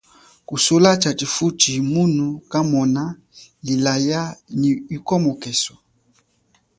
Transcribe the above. Kusula tshatshi futshi munu kamona ilayi nyi ikomokeso.